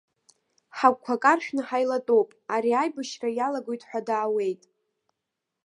Ҳагәқәа каршәны ҳаилатәоуп, ари аибашьра иалагоит ҳәа даауеит!